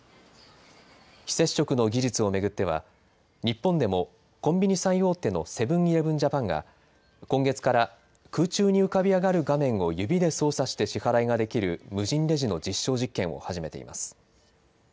非接触の技術を巡っては、日本でもコンビニ最大手のセブンーイレブン・ジャパンが、今月から空中に浮かび上がる画面を指で操作して支払いができる無人レジの実証実験を始めています。